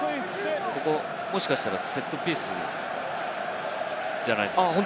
もしかしたらセットピースじゃないですか？